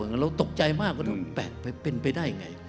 เราตกใจมากว่าเป็นไปได้อย่างไร